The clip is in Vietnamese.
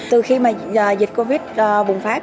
từ khi mà dịch covid bùng phát